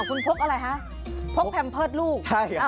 คุณพกอะไรฮะพกแพมเพิร์ตลูก